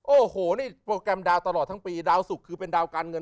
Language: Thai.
โอ้โหนี่โปรแกรมดาวตลอดทั้งปีดาวสุกคือเป็นดาวการเงิน